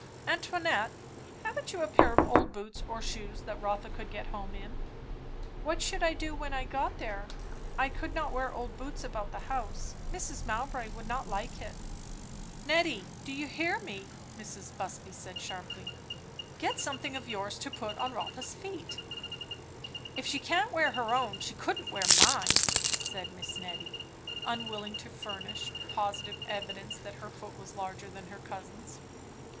"Antoinette, haven't you a pair of old boots or shoes, that Rotha could get home in?" "What should I do when I got there? I could not wear old boots about the house. Mrs. Mowbray would not like it." "Nettie, do you hear me?" Mrs. Busby said sharply. "Get something of yours to put on Rotha's feet." "If she can't wear her own, she couldn't wear mine " said Miss Nettie, unwilling to furnish positive evidence that her foot was larger than her cousin's.